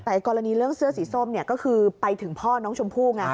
แต่กรณีเรื่องเสื้อสีส้มเนี่ยก็คือไปถึงพ่อน้องชมพู่ไง